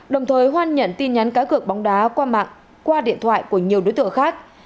đồng thời hoan nhận tin nhắn cá cược bóng đá qua mạng qua điện thoại của nhiều đối tượng khác